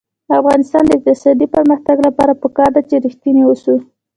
د افغانستان د اقتصادي پرمختګ لپاره پکار ده چې ریښتیني اوسو.